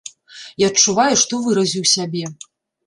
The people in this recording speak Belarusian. І адчуваю, што выразіў сябе.